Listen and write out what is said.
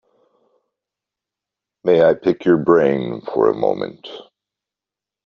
May I pick your brain for a moment?